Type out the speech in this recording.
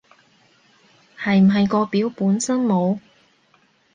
係唔係個表本身冇